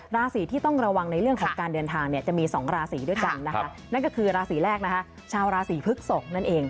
ราศีที่ต้องระวังในเรื่องของการเดินทางเนี่ยจะมี๒ราศีด้วยกันนะคะนั่นก็คือราศีแรกนะคะชาวราศีพฤกษกนั่นเอง